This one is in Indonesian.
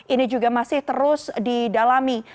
ini juga masih terus didalami